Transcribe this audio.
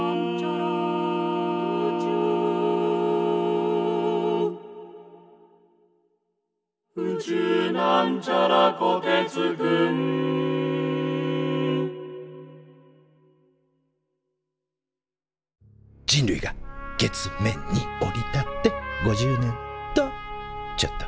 「宇宙」人類が月面に降り立って５０年とちょっと。